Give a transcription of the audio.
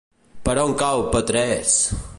Per on cau Petrés?